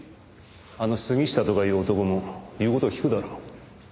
あの杉下とかいう男も言う事を聞くだろう。